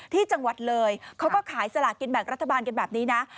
ที่จังหวัดเลยเขาก็ขายสลากินแบ่งรัฐบาลกันแบบนี้นะ